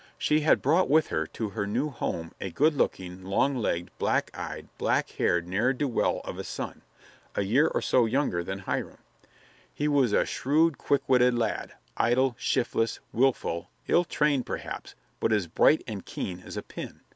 She had brought with her to her new home a good looking, long legged, black eyed, black haired ne'er do well of a son, a year or so younger than Hiram. He was a shrewd, quick witted lad, idle, shiftless, willful, ill trained perhaps, but as bright and keen as a pin.